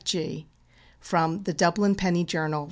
163 Sm THE DUBLIN PENNY JOURNAL.